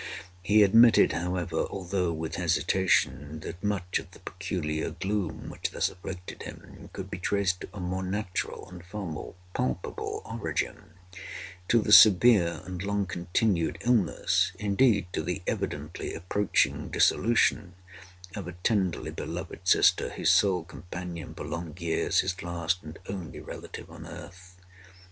He admitted, however, although with hesitation, that much of the peculiar gloom which thus afflicted him could be traced to a more natural and far more palpable origin—to the severe and long continued illness—indeed to the evidently approaching dissolution—of a tenderly beloved sister—his sole companion for long years—his last and only relative on earth.